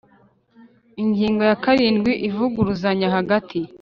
Ingingo ya karindwi Ivuguruzanya hagati